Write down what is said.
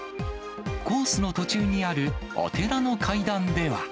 コースの途中にあるお寺の階段では。